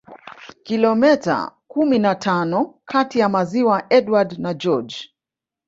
Kilomita kumi na tano kati ya maziwa Edward na George